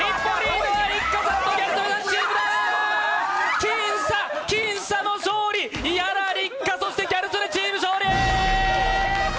僅差、僅差の勝利、伊原六花、そしてギャル曽根チーム勝利。